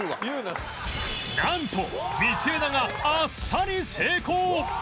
なんと道枝があっさり成功